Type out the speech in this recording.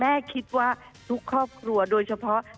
คิดว่าทุกครอบครัวโดยเฉพาะ